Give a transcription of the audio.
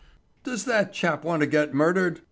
] "Does that chap want to get murdered?"